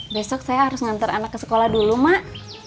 besok saya harus ngantar anak ke sekolah dulu mak